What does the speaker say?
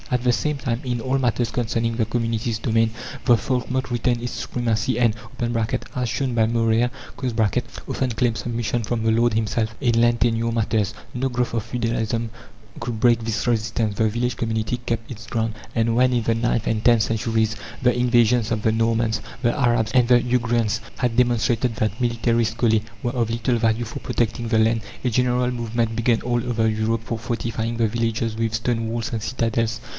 At the same time, in all matters concerning the community's domain, the folkmote retained its supremacy and (as shown by Maurer) often claimed submission from the lord himself in land tenure matters. No growth of feudalism could break this resistance; the village community kept its ground; and when, in the ninth and tenth centuries, the invasions of the Normans, the Arabs, and the Ugrians had demonstrated that military scholae were of little value for protecting the land, a general movement began all over Europe for fortifying the villages with stone walls and citadels.